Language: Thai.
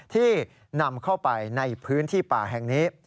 ที่นำเข้าไปในพื้นที่ป่าแห่งนี้